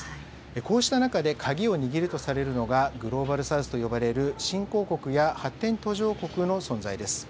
こうした中で鍵を握るとされるのが、グローバル・サウスと呼ばれる新興国や発展途上国の存在です。